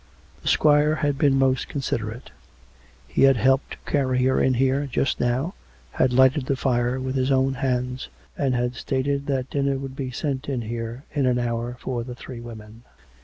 The squire had been most considerate; he had helped to carry her in here just now, had lighted the fire with his own hands, and had stated that dinner would be sent in here in an hour for the three women.